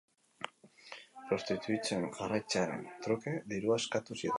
Prostituitzen jarraitzearen truke dirua eskatu zieten.